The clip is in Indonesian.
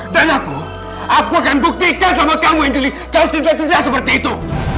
dan aku aku akan buktikan sama kamu angelie kalau sinta tidak seperti itu